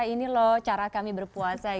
ini loh cara kami berpuasa